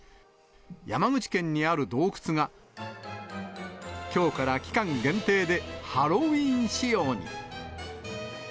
山口県にある洞窟が、きょうから期間限定でハロウィーン仕様に。